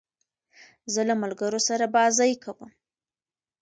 زه له ملګرو سره بازۍ کوم.